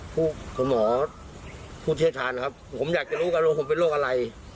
ผู้คุณหมอผู้เทศทานครับผมอยากจะรู้กันว่าผมเป็นโรคอะไร